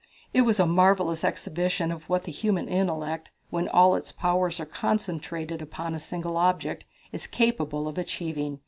It was a marvellous exhibition of what the human intellect, when all its powers are concentrated upon a single object, is capable of achieving.